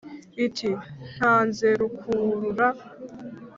Iti: ntanze Rukurura.